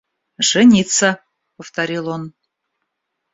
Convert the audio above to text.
«Жениться! – повторил он.